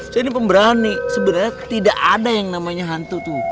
saya ini pemberani sebenarnya tidak ada yang namanya hantu tuh